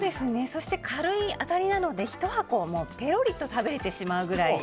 そして軽い当たりなので１箱ぺろりと食べれてしまうくらい。